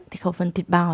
thì khẩu phấn thịt bò